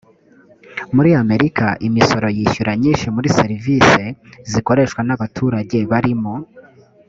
muri amerika imisoro yishyura nyinshi muri serivise zikoreshwa n abaturage barimo